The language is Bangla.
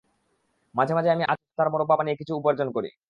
মাঝে মাঝে আমি আচার, মোরব্বা বানিয়ে বানিয়ে কিছু উপার্জন করি।